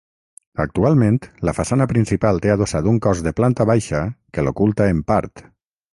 Actualment la façana principal té adossat un cos de planta baixa que l'oculta en part.